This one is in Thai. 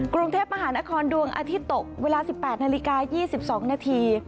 กรุงเทพมหานครดวงอาทิตย์ตกเวลา๑๘นาฬิกา๒๒นาที